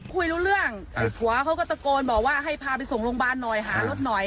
คุยรู้เรื่องไอ้ผัวเขาก็ตะโกนบอกว่าให้พาไปส่งโรงพยาบาลหน่อยหารถหน่อย